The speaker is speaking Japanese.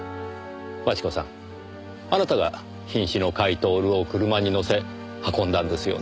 真智子さんあなたが瀕死の甲斐享を車に乗せ運んだんですよね？